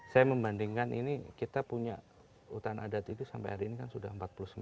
saya membandingkan ini kita punya hutan adat itu sampai hari ini kan sudah empat puluh sembilan